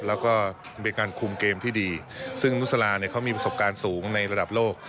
แล้วก็เป็นการคุมเกมที่ดีซึ่งนุสลาเนี่ยเขามีประสบการณ์สูงในระดับโลก